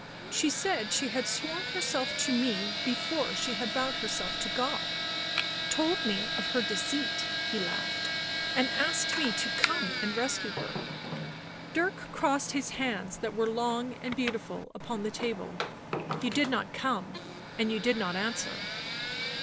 " She said she had sworn herself to me before she had vowed herself to God — told me of her deceit," he laughed, " and asked me to come and rescue her." Dirk crossed his hands, that were long and beautiful, upon the table. ''You did not come and you did not answer."